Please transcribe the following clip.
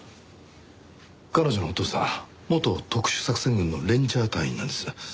彼女のお父さん元特殊作戦群のレンジャー隊員なんです。